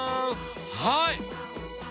はい！